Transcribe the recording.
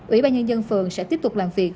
ủy ban nhân dân phường sẽ tiếp tục làm việc